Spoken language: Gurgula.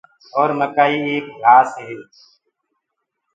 اور مڪآئي ايڪ گھآس هي۔